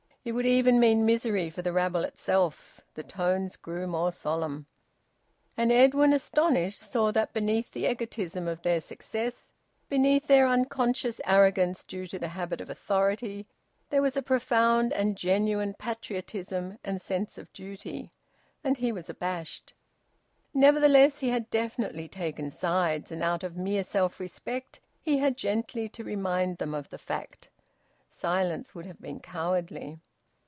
It would even mean misery for the rabble itself. The tones grew more solemn. And Edwin, astonished, saw that beneath the egotism of their success, beneath their unconscious arrogance due to the habit of authority, there was a profound and genuine patriotism and sense of duty. And he was abashed. Nevertheless, he had definitely taken sides, and out of mere self respect he had gently to remind them of the fact. Silence would have been cowardly.